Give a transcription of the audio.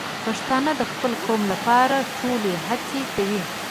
پښتانه د خپل قوم لپاره ټولې هڅې کوي.